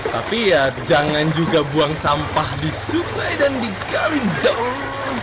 tapi ya jangan juga buang sampah di sungai dan di kalidong